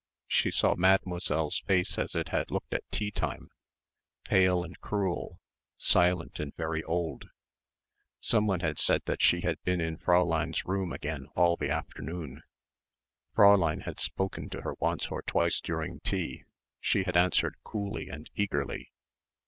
She saw Mademoiselle's face as it had looked at tea time, pale and cruel, silent and very old. Someone had said she had been in Fräulein's room again all the afternoon.... Fräulein had spoken to her once or twice during tea. She had answered coolly and eagerly